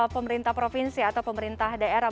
pemerintah provinsi atau pemerintah daerah